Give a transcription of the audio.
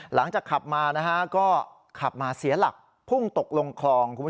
หลังจากขับมาก็เสียหลักพรุ่งตกลงคลอง